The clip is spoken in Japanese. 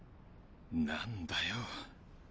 何だよ